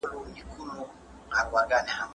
عشق طبیعت لا پسې ښکلی کوي.